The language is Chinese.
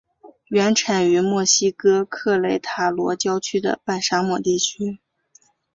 原产于墨西哥克雷塔罗郊区的半沙漠地区。